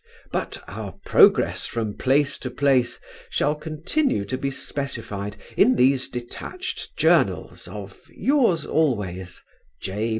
But our progress from place to place shall continue to be specified in these detached journals of Yours always, J.